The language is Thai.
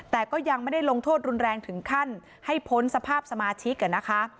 แต่ก็ยังไม่ได้ลงโทษรุนแรงถึงขั้นให้พ้นสภาพสมาชิกนะคะ